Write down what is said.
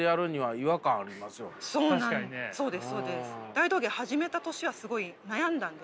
大道芸始めた年はすごい悩んだんです。